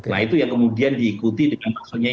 nah itu yang kemudian diikuti dengan maksudnya